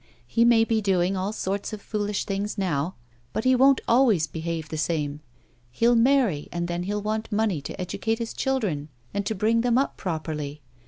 He may be doing all sorts of foolish things now, but he won't always behave the same. He'll marry and then he'll want money to educate his children and to bring them up properly.